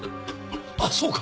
あそうか！